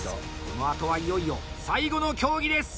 このあとは、いよいよ最後の競技です。